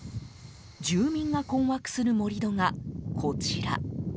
住民が困惑する盛り土がこちら。